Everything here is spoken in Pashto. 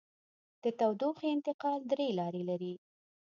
د تودوخې انتقال درې لارې لري.